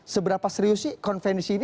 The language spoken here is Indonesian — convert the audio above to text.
seberapa serius sih konvensi ini